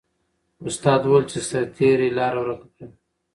استاد وویل چې سرتیري لاره ورکه کړه.